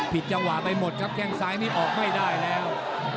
ผิดจังหวะไปหมดครับแค่งซ้ายนี้ออกไม่ได้แล้ว